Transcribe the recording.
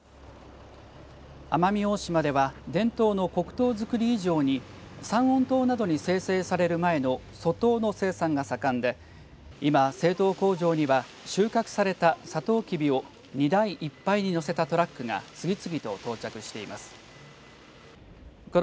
奄美大島では伝統の黒糖作り以上に三温糖などに精製される前の粗糖の生産が盛んで今、製糖工場には収穫されたさとうきびを荷台いっぱいに載せたトラックが次々と到着しています。